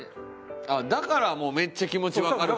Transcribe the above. あっだからもうめっちゃ気持ちわかる感じ。